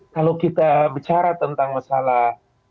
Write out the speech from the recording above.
kalau kita bicara tentang masalah